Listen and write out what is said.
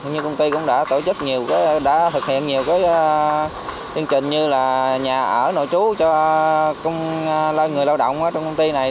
như công ty cũng đã thực hiện nhiều chương trình như là nhà ở nội trú cho người lao động trong công ty này